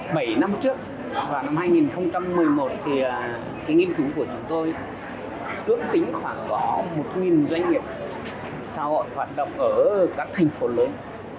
bảy năm trước vào năm hai nghìn một mươi một thì nghiên cứu của chúng tôi ước tính khoảng có một doanh nghiệp xã hội hoạt động ở các thành phố lớn